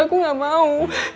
aku gak mau